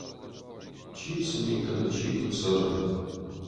Чи цы ми кӕны, чи куыд цӕры.